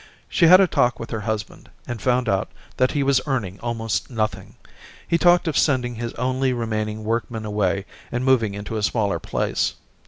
She had a talk with her husband, and found out that he was earning almost nothing. He talked of sending his only remaining work man away and moving into a smaller place.